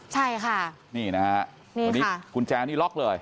ใช่ค่ะนี่นะฮะวันนี้กุญแจนี่ล็อกเลย